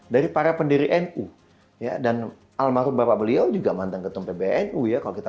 dari para pendiri nu ya dan almarhum bapak beliau juga mantan ketum pbnu ya kalau kita